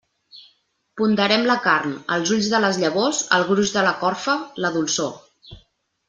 Ponderem la carn, els ulls de les llavors, el gruix de la corfa, la dolçor.